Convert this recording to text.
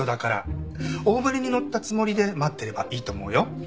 大船に乗ったつもりで待ってればいいと思うよ。